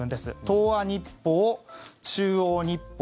東亜日報、中央日報